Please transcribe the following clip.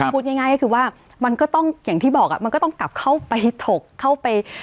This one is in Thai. พูดง่ายก็คือว่ามันก็ต้องอย่างที่บอกมันก็ต้องกลับเข้าไปถกเข้าไป